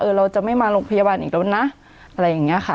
เราจะไม่มาโรงพยาบาลอีกแล้วนะอะไรอย่างนี้ค่ะ